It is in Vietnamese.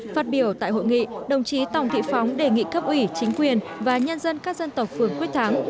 phát biểu tại hội nghị đồng chí tòng thị phóng đề nghị cấp ủy chính quyền và nhân dân các dân tộc phường quyết thắng